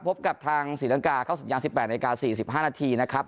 พบกับทางศรีลังกาเข้าสัญญาณ๑๘นาที๔๕นาทีนะครับ